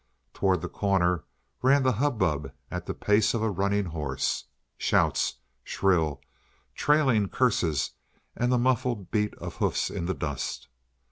Toward the corner ran the hubbub at the pace of a running horse. Shouts, shrill, trailing curses, and the muffled beat of hoofs in the dust.